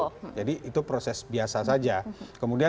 kemudian pak dekarwo yang diperintahkan oleh dprd dan dpc se indonesia